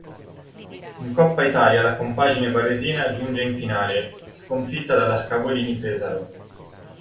In Coppa Italia la compagine varesina giunge in finale, sconfitta dalla Scavolini Pesaro.